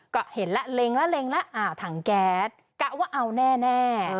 ก็เห็นแล้วเล็งแล้วถังแก๊สกะว่าเอาแน่